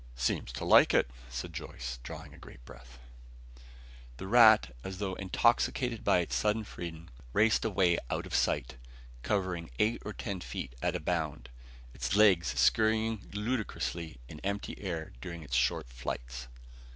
"Seems to like it," said Joyce, drawing a great breath. The rat, as though intoxicated by its sudden freedom, raced away out of sight, covering eight or ten feet at a bound, its legs scurrying ludicrously in empty air during its short flights.